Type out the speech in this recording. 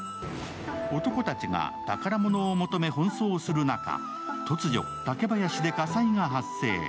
男たちが宝物を求め奔走する中、突如、竹林で火災が発生。